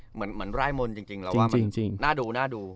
เหมือนไร่มนต์จริงเราว่าน่าดูน่าดู